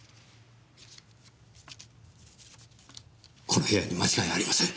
この部屋に間違いありません。